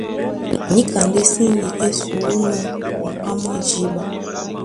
Níka ndé síŋgi é sǔnɔ́ muká mwá jǐɓa.